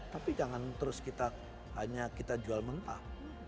tapi jangan terus kita hanya kita jual mentah